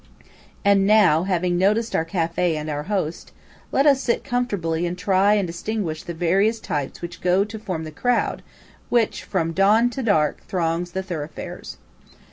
And now, having noticed our café and our host, let us sit comfortably and try and distinguish the various types which go to form the crowd which from dawn to dark throngs the thoroughfares.